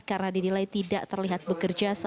karena didilai tidak terlihat bekerja